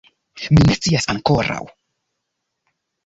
Mi ne scias ankoraŭ.